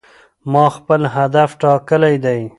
ما خپل هدف ټاکلی دی.